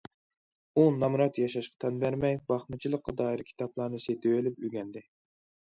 ئۇ نامرات ياشاشقا تەن بەرمەي، باقمىچىلىققا دائىر كىتابلارنى سېتىۋېلىپ ئۆگەندى.